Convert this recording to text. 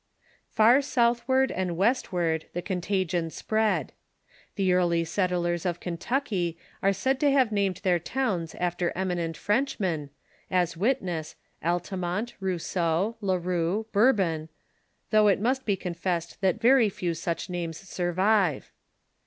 * Far southward and westward the contagion spread. The early settlers of Kentucky are said to have named their towns after eminent Frenchmen, as, witness, Altamont, Rousseau, La Rue, Bourbon, though it must be confessed that very few such names survive.